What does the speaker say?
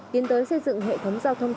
tiến tới xây dựng hệ thống giao thông